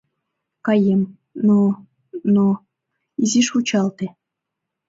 — Каем, но... но... изиш вучалте.